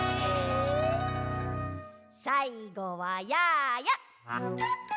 さいごはやーや。